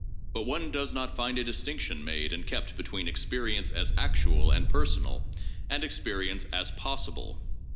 But one does not find a distinc tion made and kept between experience as 'actual' and 'personal' and experience as 'possible.'